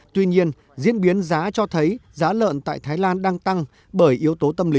tuy nhiên diễn biến giá cho thấy giá lợn tại thái lan đang tăng bởi yếu tố tâm lý